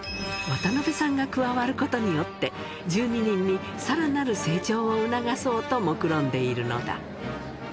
渡邉さんが加わることによって、１２人にさらなる成長を促そうともくろんでいるのだ。